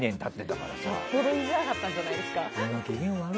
よほど言いづらかったんじゃないですか？